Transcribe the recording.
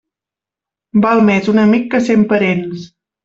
Val més un amic que cent parents.